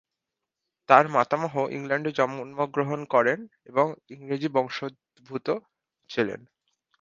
তার মাতামহ ইংল্যান্ডে জন্মগ্রহণ করেন এবং ইংরেজ বংশোদ্ভূত ছিলেন।